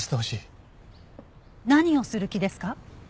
何をする気ですか？